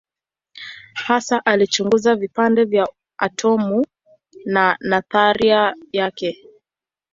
Hasa alichunguza vipande vya atomu na nadharia yake.